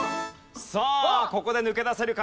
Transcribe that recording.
さあここで抜け出せるか？